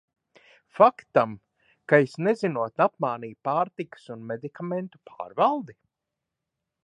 Faktam, ka es nezinot apmānīju Pārtikas un medikamentu pārvaldi?